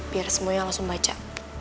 biar semua yang langsung baca